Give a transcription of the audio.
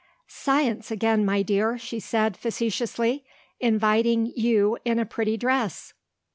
"Science again, my dear," she said facetiously, "inviting you in a pretty dress!